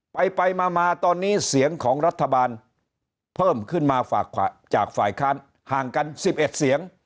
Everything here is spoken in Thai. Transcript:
ไปไปมาตอนนี้เสียงของรัฐบาลเพิ่มขึ้นมาฝากจากฝ่ายค้านห่างกัน๑๑เสียง